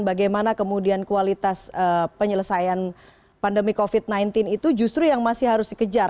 bagaimana kemudian kualitas penyelesaian pandemi covid sembilan belas itu justru yang masih harus dikejar